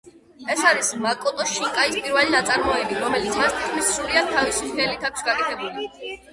ეს არის მაკოტო შინკაის პირველი ნაწარმოები, რომელიც მას თითქმის სრულად თავისი ხელით აქვს გაკეთებული.